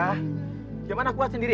bisa kemana kuat sendiri